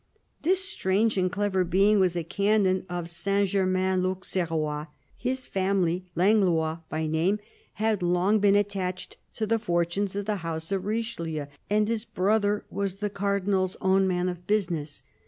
This strange and clever being was a canon of Saint Germain l'Auxerrois. His family, Langlois by name, had long been attached to the fortunes of the house of Richelieu, and his brother was the Cardinal's own man of business.